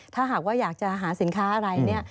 ถ้าหากว่าอยากจะหาสินค้าอะไรเนี่ย